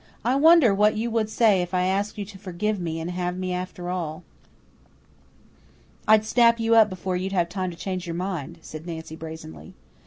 I wonder what you would say if I asked you to forgive me, and have me after all." "I'd snap you up before you'd have time to change your mind," said Nancy brazenly.